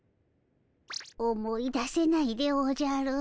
思い出せないでおじゃる。